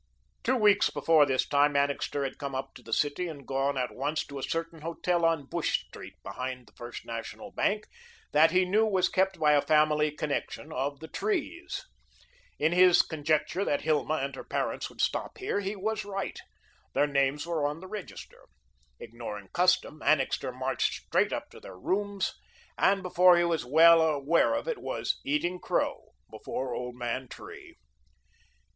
Two weeks before this time, Annixter had come up to the city and had gone at once to a certain hotel on Bush Street, behind the First National Bank, that he knew was kept by a family connection of the Trees. In his conjecture that Hilma and her parents would stop here, he was right. Their names were on the register. Ignoring custom, Annixter marched straight up to their rooms, and before he was well aware of it, was "eating crow" before old man Tree.